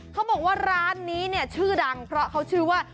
เขาบอกว่าร้านนี้เนี่ยชื่อดังเพราะเขาชื่อว่า